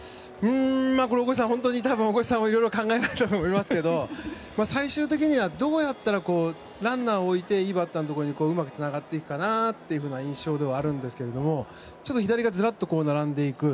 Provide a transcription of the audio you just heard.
大越さんも多分いろいろ考えられたと思いますが最終的にはどうやったらランナーを置いていいバッターのところにつながっていくかなという印象ではあるんですが左がずらっと並んでいく。